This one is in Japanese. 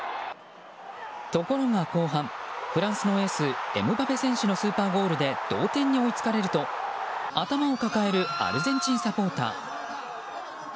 ところが後半、フランスのエースエムバペ選手のスーパーゴールで同点に追いつかれると頭を抱えるアルゼンチンサポーター。